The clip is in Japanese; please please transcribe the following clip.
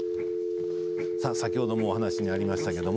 先ほどもお話にありましたけど